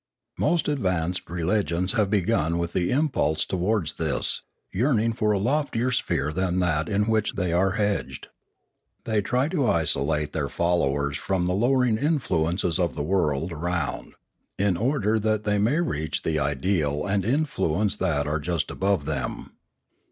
Most advanced religions have begun with the impulse towards this, yearning for a loftier sphere than that in which they are hedged. They try to isolate their 624 Limanora followers from the lowering influences of the world around, in order that they may reach the ideal and influence that are just above them.